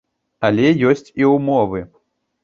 Але ёсць і ўмовы.